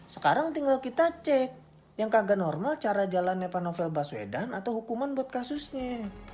sekarang tinggal kita cek yang kagak normal cara jalannya pak novel baswedan atau hukuman buat kasusnya